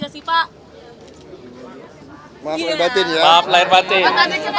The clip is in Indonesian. sinyal rekonsiliasinya apa makin kuat nggak sih pak